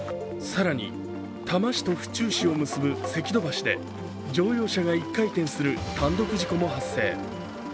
更に、多摩市と府中市を結ぶ関戸橋で乗用車が一回転する単独事故も発生。